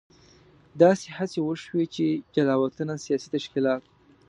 داسې هڅې وشوې چې جلا وطنه سیاسي تشکیلات.